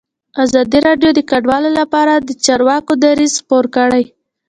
ازادي راډیو د کډوال لپاره د چارواکو دریځ خپور کړی.